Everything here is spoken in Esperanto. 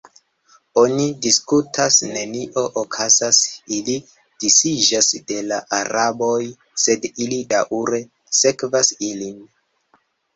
Oni diskutas, nenio okazas, ili disiĝas de la araboj, sed ili daŭre sekvas ilin.